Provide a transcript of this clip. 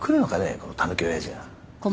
このたぬき親父が。